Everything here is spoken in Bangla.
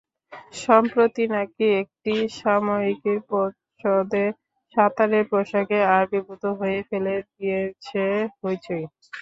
সম্প্রতি নাকি একটি সাময়িকীর প্রচ্ছদে সাঁতারের পোশাকে আবির্ভূত হয়ে ফেলে দিয়েছেন হইচই।